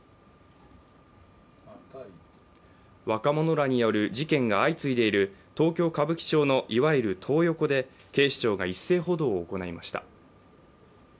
若者らによる事件が相次いでいる東京・歌舞伎町のいわゆるトー横で警視庁が一斉補導を行いました。